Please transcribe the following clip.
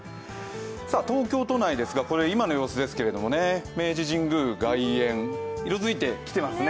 東京都内ですが、今の様子ですけれども、明治神宮外苑色づいてきていますね。